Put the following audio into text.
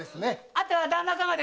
あとは旦那さまですね。